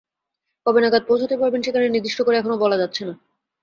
কবে নাগাদ পৌঁছাতে পারবেন সেখানে, নির্দিষ্ট করে এখনো বলা যাচ্ছে না।